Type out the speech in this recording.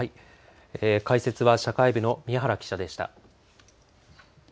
解説は社会部の宮原記者でした。